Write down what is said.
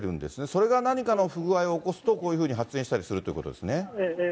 それが何かの不具合を起こすと、こういうふうに発煙したりするということですね。